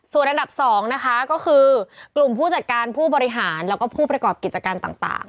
ส่วนอันดับ๒นะคะก็คือกลุ่มผู้จัดการผู้บริหารแล้วก็ผู้ประกอบกิจการต่าง